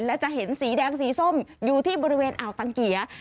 และจะเห็นสีแดงสีส้มอยู่ที่บริเวณอ่าวตังเกีย